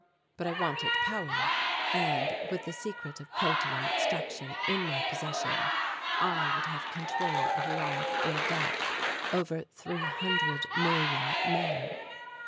But I wanted power; and, with the secret of protium extraction in my possession, I would have control of life or death over three hundred million men.